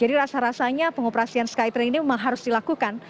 jadi rasa rasanya pengoperasian skytrain ini memang harus dilakukan